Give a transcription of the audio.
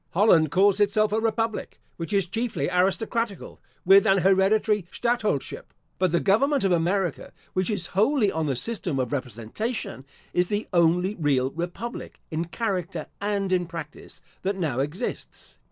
Holland calls itself a republic, which is chiefly aristocratical, with an hereditary stadtholdership. But the government of America, which is wholly on the system of representation, is the only real Republic, in character and in practice, that now exists.